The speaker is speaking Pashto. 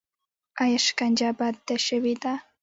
آیا شکنجه بنده شوې ده؟